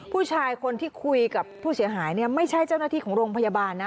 ผู้ชายคนที่คุยกับผู้เสียหายเนี่ยไม่ใช่เจ้าหน้าที่ของโรงพยาบาลนะ